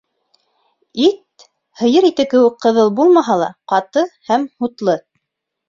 Ит, һыйыр ите кеүек ҡыҙыл булмаһа ла, ҡаты һәм һутлы.